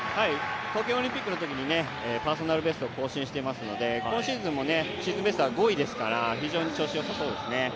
東京オリンピックのときにパーソナルベストを更新していますので今シーズンのシーズンベストは５位ですから非常に調子よさそうですね。